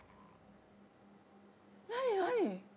何何？